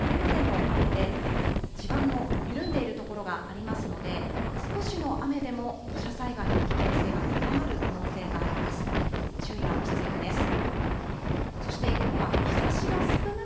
これまでの雨で、地盤の緩んでいる所がありますので、少しの雨でも土砂災害の危険性が高まる可能性があります。